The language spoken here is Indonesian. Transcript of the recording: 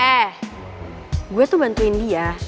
eh gue tuh bantuin dia